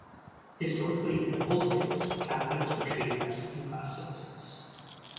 Historically in the old days, Catholics were treated as second class citizens.